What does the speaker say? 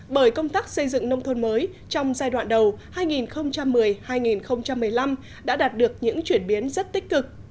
bởi công tác xây dựng nông thôn mới trong giai đoạn đầu hai nghìn một mươi hai nghìn một mươi năm đã đạt được những chuyển biến rất tích cực